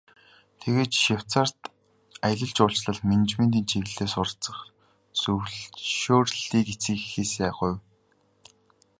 Тэгээд Швейцарьт аялал жуулчлал, менежментийн чиглэлээр суралцах зөвшөөрлийг эцэг эхээсээ гуйв.